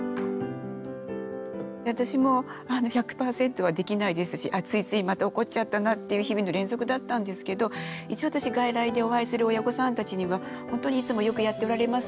私も１００％はできないですしついついまた怒っちゃったなっていう日々の連続だったんですけど一応私外来でお会いする親御さんたちには本当にいつもよくやっておられますね。